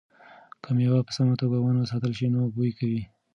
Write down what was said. که مېوه په سمه توګه ونه ساتل شي نو بوی کوي.